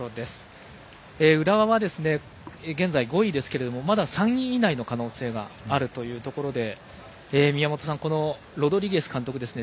浦和、現在５位ですけれどもまだ３位以内の可能性があるというところで宮本さん、ロドリゲス監督ですね